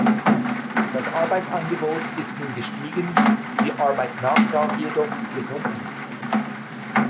Das Arbeitsangebot ist nun gestiegen, die Arbeitsnachfrage jedoch gesunken.